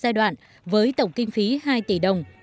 giai đoạn với tổng kinh phí hai tỷ đồng